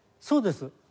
そうです。